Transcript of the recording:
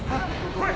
これ。